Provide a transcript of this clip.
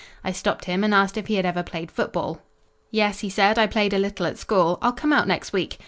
I stopped him and asked if he had ever played football. "'Yes,' he said, 'I played a little at school. I'll come out next week.'